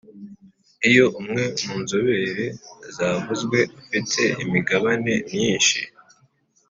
Iyo umwe mu nzobere zavuzwe afite imigabane myinshi